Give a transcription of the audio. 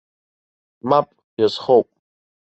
Мап, иазхоуп!